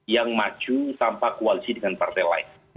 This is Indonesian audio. yang maju tanpa koalisi dengan partai lain